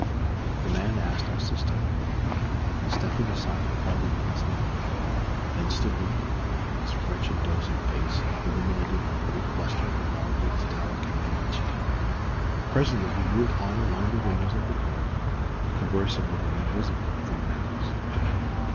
The man asked us to stop, and, stepping aside, he called a woman's name, then stood waiting, his wretched dozing face illuminated by the weak lustre of a long wicked tallow candle which he held. Presently he moved on along the windows of the court conversing with an invisible within the house.